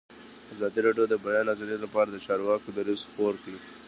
ازادي راډیو د د بیان آزادي لپاره د چارواکو دریځ خپور کړی.